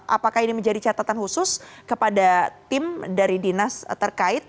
apakah ini menjadi catatan khusus kepada tim dari dinas terkait